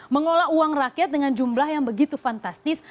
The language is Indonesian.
mengolah uang rakyat dengan jumlah yang begitu fantastis